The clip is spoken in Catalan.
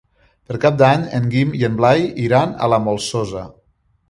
Per Cap d'Any en Guim i en Blai iran a la Molsosa.